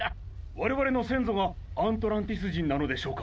われわれのせんぞがアントランティスじんなのでしょうか？